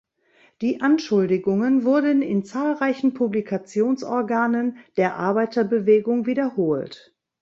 Die Anschuldigungen wurden in zahlreichen Publikationsorganen der Arbeiterbewegung wiederholt.